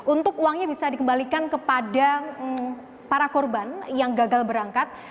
untuk uangnya bisa dikembalikan kepada para korban yang gagal berangkat